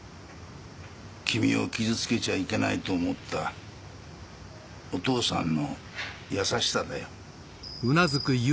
君を傷つけちゃいけないと思ったお父さんの優しさだよ。